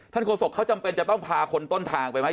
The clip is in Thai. โฆษกเขาจำเป็นจะต้องพาคนต้นทางไปไหม